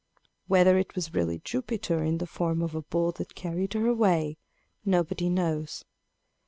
Whether it was really Jupiter in the form of a bull that carried her away, nobody knows.